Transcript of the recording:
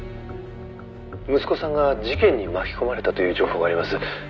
「息子さんが事件に巻き込まれたという情報があります」